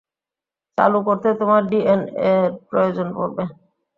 চালু করতে তোমার ডিএনএ-র প্রয়োজন পড়বে।